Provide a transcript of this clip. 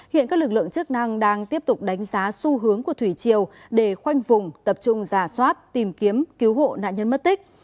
hiện các lực lượng chức năng đang tiếp tục đánh giá xu hướng của thủy triều để khoanh vùng tập trung giả soát tìm kiếm cứu hộ nạn nhân mất tích